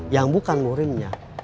yang bukan ngurimnya